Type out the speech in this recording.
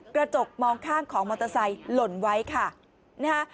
กระจกมองข้างของมอเตอร์ไซค์หล่นไว้ค่ะนะฮะ